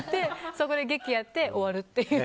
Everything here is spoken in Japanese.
そこで劇やって終わるっていう。